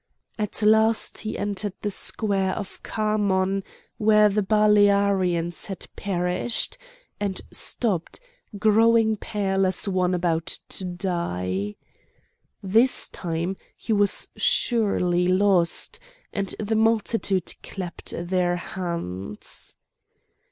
At last he entered the square of Khamon where the Balearians had perished, and stopped, growing pale as one about to die. This time he was surely lost, and the multitude clapped their hands.